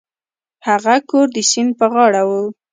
هغه کور د سیند په غاړه و.